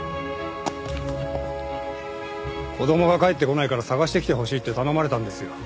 子供が帰ってこないから捜してきてほしいって頼まれたんですよ。